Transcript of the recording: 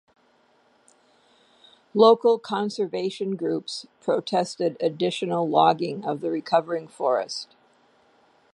Local conservation groups protested additional logging of the recovering forest.